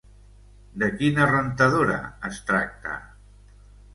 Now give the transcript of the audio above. De quina rentadora es tracta?